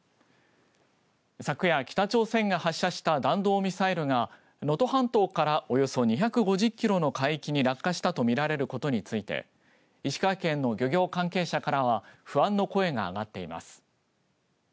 昨夜、北朝鮮が発射した弾道ミサイルが能登半島からおよそ２５０キロの海域に落下したと見られることについて石川県の漁業関係者からは不安の声が上がっています。